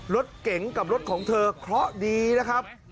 รถเก๋งกับรถของเธอเคราะห์ดีนะครับ